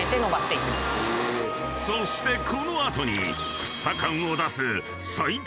［そしてこの後に］